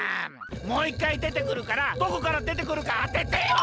もういっかいでてくるからどこからでてくるかあててよ。